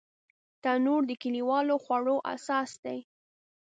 تنور د کلیوالو خوړو اساس دی